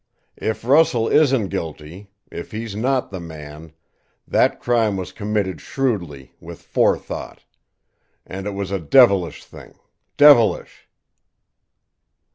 If Russell isn't guilty if he's not the man, that crime was committed shrewdly, with forethought. And it was a devilish thing devilish!"